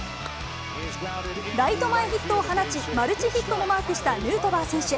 ライト前ヒットを放ち、マルチヒットもマークしたヌートバー選手。